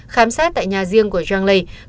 khám xét tại nhà riêng của zhang lei